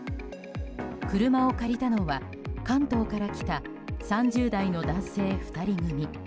車を借りたのは関東から来た３０代の男性２人組。